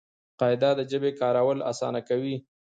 قاعده د ژبي کارول آسانه کوي.